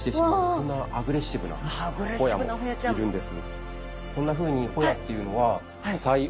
そんなアグレッシブなホヤもいるんです。